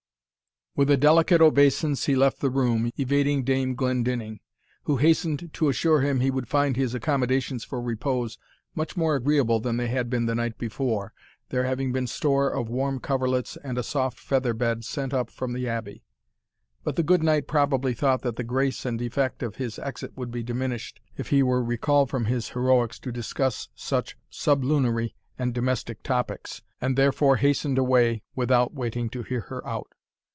With a delicate obeisance he left the room, evading Dame Glendinning, who hastened to assure him he would find his accommodations for repose much more agreeable than they had been the night before, there having been store of warm coverlets, and a soft feather bed, sent up from the Abbey. But the good knight probably thought that the grace and effect of his exit would be diminished, if he were recalled from his heroics to discuss such sublunary and domestic topics, and therefore hastened away without waiting to hear her out.